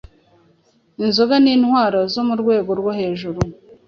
inzoga nintwaro zo mu rwego rwo hejuru"